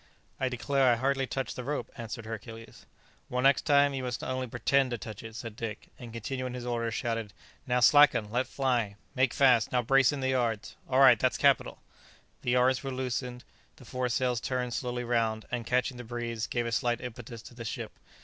"I declare I hardly touched the rope," answered Hercules. "Well, next time, you must only pretend to touch it," said Dick; and, continuing his orders, shouted, "Now slacken! let fly! make fast! now brace in the yards! all right! that's capital!" The yards were loosened, the foresails turned slowly round, and, catching the breeze, gave a slight impetus to the ship.